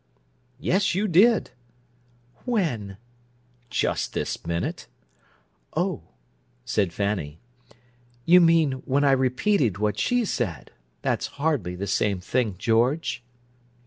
"Yes, you did." "When?" "Just this minute." "Oh!" said Fanny. "You mean when I repeated what she said? That's hardly the same thing, George."